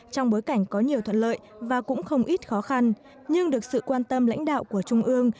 trong bối cảnh có nhiều thuận lợi và cũng không ít khó khăn nhưng được sự quan tâm lãnh đạo của trung ương